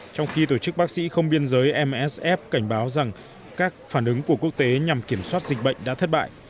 trong khi tổ chức bác sĩ không biên giới msf cảnh báo rằng các phản ứng của quốc tế nhằm kiểm soát dịch bệnh đã thất bại